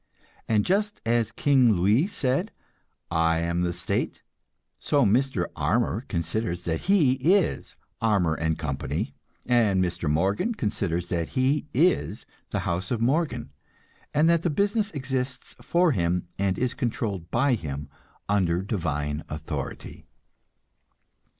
And just as King Louis said, "I am the state," so Mr. Armour considers that he is Armour & Co., and Mr. Morgan considers that he is the house of Morgan, and that the business exists for him and is controlled by him under divine authority.